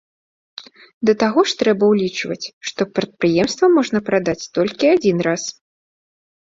Да таго ж трэба ўлічваць, што прадпрыемства можна прадаць толькі адзін раз.